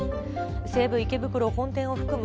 西武池袋本店を含む